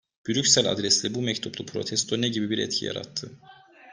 Brüksel adresli bu mektuplu protesto ne gibi bir etki yarattı?